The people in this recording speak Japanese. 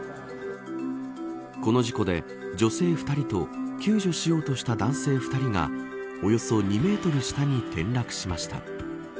この事故で女性２人と救助しようとした男性２人がおよそ２メートル下に転落しました。